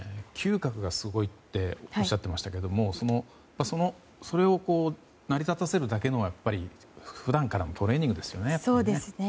嗅覚がすごいっておっしゃっていましたけどそれを成り立たせるだけの普段からのトレーニングですよね。